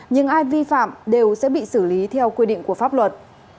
nhưng ai vi phạm đều sẽ bị xử lý theo quy định của pháp luật